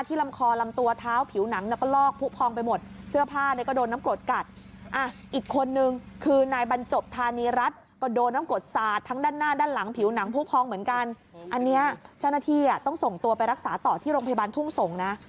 ที่ลำคอลำตัวเท้าผิวหนังน่ะก็ลอก